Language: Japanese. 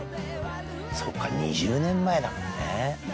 そうか２０年前だもんね。